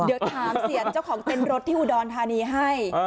เดี๋ยวถามเสียงเจ้าของเต้นรถที่อุดรธานีให้